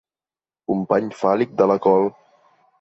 Company fàl·lic de la col.